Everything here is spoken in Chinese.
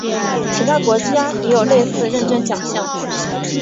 其他国家也有类似认证奖项。